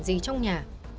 gì trong nhà